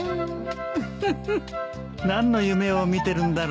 ウフフ。何の夢を見てるんだろう。